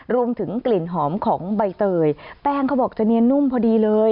รวมถึงกลิ่นหอมของใบเตยแป้งเขาบอกจะเนียนนุ่มพอดีเลย